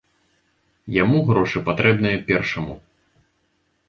Яму грошы патрэбныя першаму.